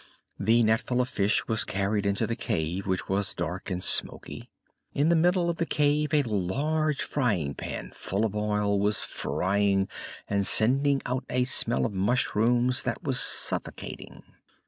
The netful of fish was carried into the cave, which was dark and smoky. In the middle of the cave a large frying pan full of oil was frying and sending out a smell of mushrooms that was suffocating.